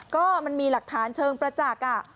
ก็มันมีหลักฐานเชิงประจักษ์